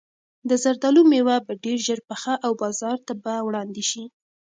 د زردالو مېوه به ډېر ژر پخه او بازار ته به وړاندې شي.